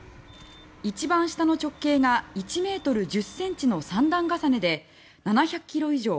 一番下の直径が１ｍ１０ｃｍの三段重ねで７００ｋｇ以上。